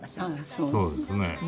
そうですね。